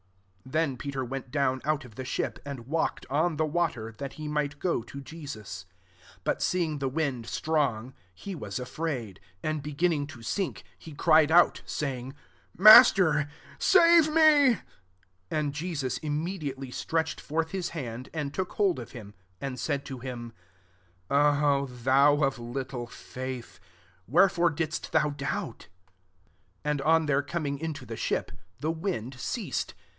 Then Peter went down out of the ship, and walked on the water, that he might go to Jesus. 30 But seeing the wind strong, he was afraid ; and be ginning to sink, he cried CHit, saying, " Master, save me.*' 31 And Jesus immediately stretch ed forth his hand, and took hold of him, and said to him, «• O thou of little faith, wher^ore didst thou doubt f "^ 32 And eo MATTHEW XV. 47 their coming into the ship, the wind ceased.